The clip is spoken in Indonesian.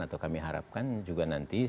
atau kami harapkan juga nanti